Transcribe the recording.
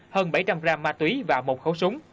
hơn bảy trăm linh gram ma túy và một khẩu súng